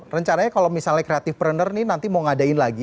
rencananya kalau misalnya creative pruner nih nanti mau ngadain lagi